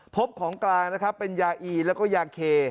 พบของกลางนะครับเป็นยาอีแล้วก็ยาเค